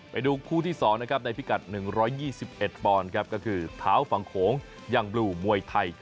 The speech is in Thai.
ไปดูคู่ที่๒ในพิกัด๑๒๑ปอนด์ครับก็คือเท้าฝั่งโขงยังบลูมวยไทย